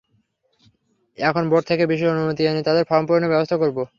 এখন বোর্ড থেকে বিশেষ অনুমতি এনে তাদের ফরম পূরণের ব্যবস্থা করব।